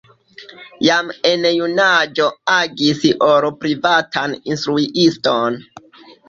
Jam en junaĝo agis ol privatan instruiston.